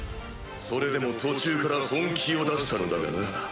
それでも途中から本気を出したのだがな。